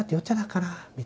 みたいな。